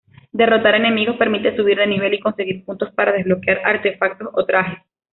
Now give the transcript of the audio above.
Derrotar enemigos permite subir de nivel y conseguir puntos para desbloquear artefactos o trajes.